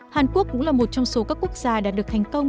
hàn quốc cũng là một trong số các quốc gia đã được thành công